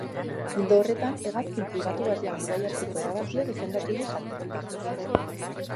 Ildo horretan, hegazkin pribatu batean bidaiatzeko erabakia defendatu du taldeak.